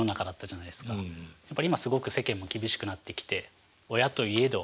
やっぱり今すごく世間も厳しくなってきて親といえど。